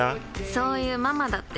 そういうママだって。